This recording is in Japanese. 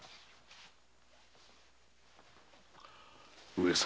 上様